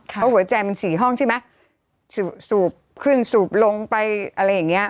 เพราะหัวใจมัน๔ห้องใช่ไหมสูบขึ้นสูบลงไปอะไรอย่างเงี้ย